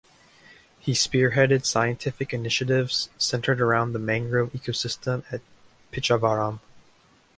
He spearheaded scientific initiatives centered around the mangrove ecosystem at Pichavaram.